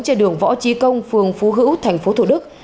trên đường võ trí công phường phú hữu thành phố thủ đức